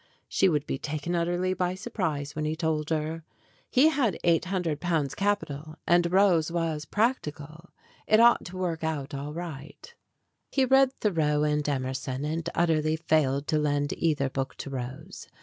She would be taken utterly by surprise when he told her. He had eight hundred pounds cap i8 STORIES WITHOUT TEARS ital, and Rose was practical. It ought to work out all right. He read Thoreau and Emerson, and utterly failed to lend either book to Rose.